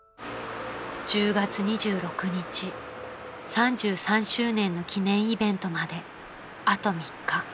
［３３周年の記念イベントまであと３日］